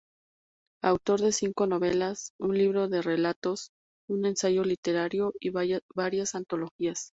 Autor de cinco novelas, un libro de relatos, un ensayo literario y varias antologías.